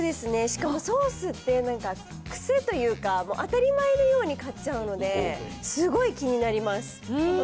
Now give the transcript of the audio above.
しかもソースって、なんか、癖というか、当たり前のように買っちゃうので、すごい気になります。